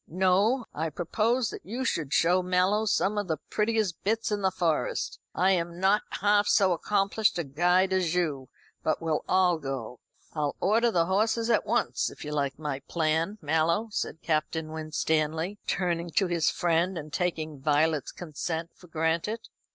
No; I propose that you should show Mallow some of the prettiest bits in the Forest. I am not half so accomplished a guide as you; but we'll all go. I'll order the horses at once if you like my plan, Mallow," said Captain Winstanley, turning to his friend, and taking Violet's consent for granted.